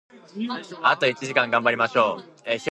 あと一時間、頑張りましょう！